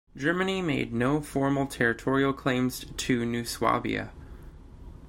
Germany made no formal territorial claims to New Swabia.